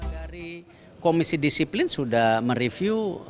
dari komisi disiplin sudah mereview